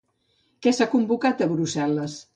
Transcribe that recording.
Què s'ha convocat a Brussel·les?